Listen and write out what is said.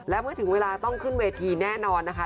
และเมื่อถึงเวลาต้องขึ้นเวทีแน่นอนนะคะ